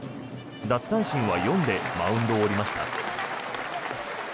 奪三振は４でマウンドを降りました。